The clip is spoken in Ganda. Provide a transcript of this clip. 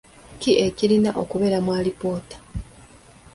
Ki ekirina okubeera mu alipoota?